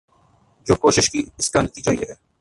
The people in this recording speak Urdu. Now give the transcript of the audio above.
جو کوشش کی اس کا نتیجہ یہ ہے ۔